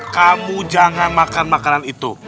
kamu jangan makan makanan itu